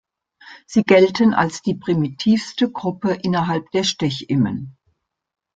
Sie gelten als die primitivste Gruppe innerhalb der Stechimmen.